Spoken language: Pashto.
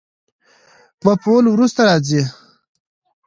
مفعول وروسته راځي.